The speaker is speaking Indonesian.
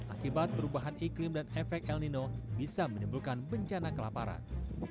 akibat perubahan iklim dan efek el nino bisa menimbulkan bencana kelaparan